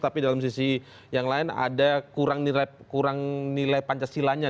tapi dalam sisi yang lain ada kurang nilai kurang nilai pancasila nya